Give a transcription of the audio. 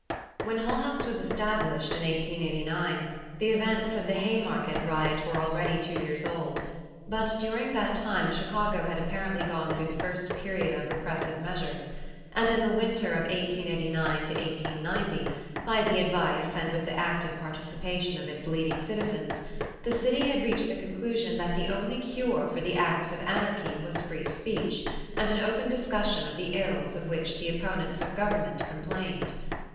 When Hull House was established in 1889, the events of the Haymarket riot were already two years old, but during that time Chicago had apparently gone through the first period of repressive measures, and in the winter of 1889 1890, by the advice and with the active participation of its leading citizens, the city had reached the conclusion that the only cure for the acts of anarchy was free speech and an open discussion of the ills of which the opponents of government complained.